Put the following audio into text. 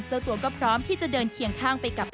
เจ้าตัวก็พร้อมที่จะเดินเคียงข้างไปกับ